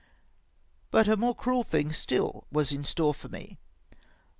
But a more cruel thing still was in store for me.